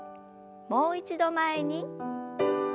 もう一度前に。